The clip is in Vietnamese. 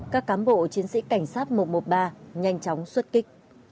các cám bộ chiến sĩ cảnh sát một trăm một mươi ba nhanh chóng xuất kích